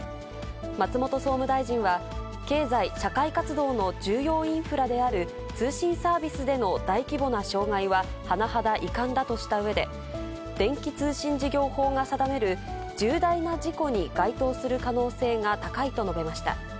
松本総務大臣は、経済・社会活動の重要インフラである、通信サービスでの大規模な障害は甚だ遺憾だとしたうえで、電気通信事業法が定める重大な事故に該当する可能性が高いと述べました。